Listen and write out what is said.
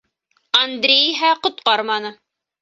Андрей иһә ҡотҡарманы.